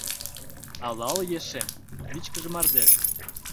Алал ешем — вичкыж мардеж.